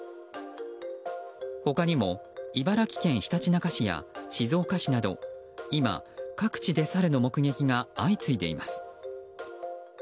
他にも茨城県ひたちなか市や静岡市など今、各地でサルの目撃が相次いでいます。